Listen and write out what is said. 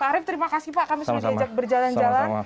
pak arief terima kasih pak kami sudah diajak berjalan jalan